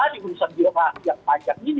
terhadap pasangan kita